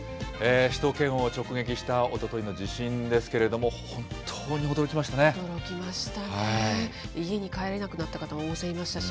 首都圏を直撃したおとといの地震ですけれども、驚きましたね。